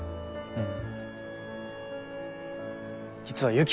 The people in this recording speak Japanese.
うん。